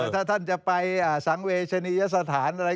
ถ้าท่านจะไปสังเวชนียสถานอะไร